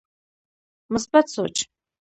مثبت سوچ